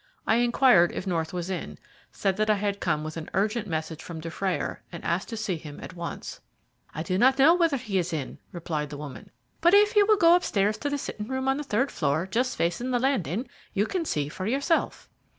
I inquired if North was in, said that I had come with an urgent message from Dufrayer, and asked to see him at once. "I do not know whether he is in," replied the woman, "but if you will go upstairs to the sitting room on the third floor just facing the landing, you can see for yourself."